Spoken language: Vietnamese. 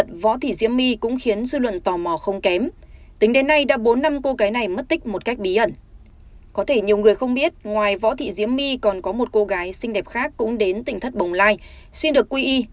có thể nhiều người không biết ngoài võ thị diễm my còn có một cô gái xinh đẹp khác cũng đến tỉnh thất bồng lai xin được quy y